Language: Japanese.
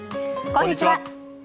こんにちは。